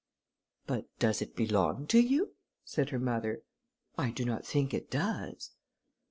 "But does it belong to you?" said her mother. "I do not think it does."